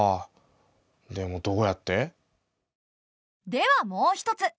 ではもう一つ。